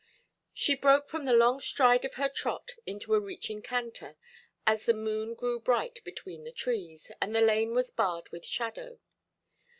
She broke from the long stride of her trot into a reaching canter, as the moon grew bright between the trees, and the lane was barred with shadow.